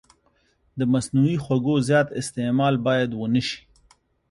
د مصنوعي خوږو زیات استعمال باید ونه شي.